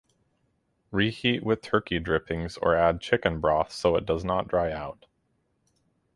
Reheat with turkey drippings or add chicken broth so it does not dry out.